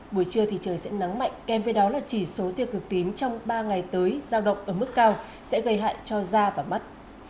buổi trưa thì trời sẽ nắng mạnh kem với đó là chỉ số tiêu cực tím trong ba ngày tới giao động ở mức cao sẽ gây hại cho da và mắt